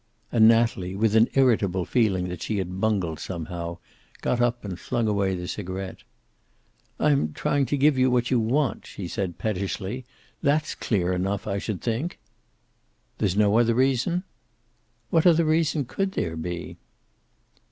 And Natalie, with an irritable feeing that she had bungled somehow, got up and flung away the cigaret. "I am trying to give you what you want," she said pettishly. "That's clear enough, I should think." "There's no other reason?" "What other reason could there be?"